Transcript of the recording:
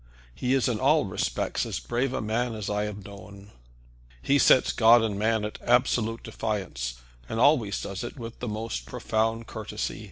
"He is in all respects as brave a man as I have known." "He sets God and man at absolute defiance, and always does it with the most profound courtesy.